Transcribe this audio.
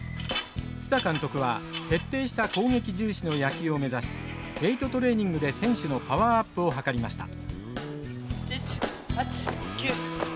蔦監督は徹底した攻撃重視の野球を目指しウエイトトレーニングで選手のパワーアップを図りました。